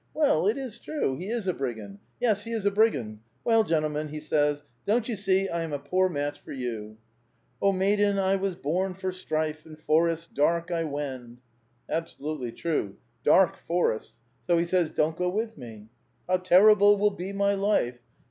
Well, it is true ; he is a brigand. Yes, he is a brigand. Well, gentlemen, he says, ' Don't you see I am a poor match for you ? O maiden, I was bom for strife. In forests dark I wend/ ^^ Absolutely true; dark forests; so he says, ^ Don't go with me.' How terrible will be my life